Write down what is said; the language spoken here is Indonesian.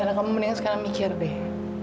nara kamu mending sekarang mikir deh